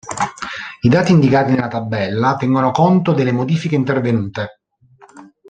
I dati indicati nella tabella tengono conto delle modifiche intervenute.